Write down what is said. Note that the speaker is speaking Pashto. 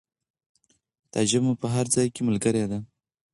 دا ژبه مو په هر ځای کې ملګرې ده.